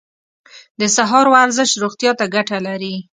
د سهار ورزش روغتیا ته ګټه لري.